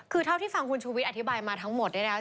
คือเท่าที่ฟังคุณชูวิทย์อธิบายมาทั้งหมดได้แล้ว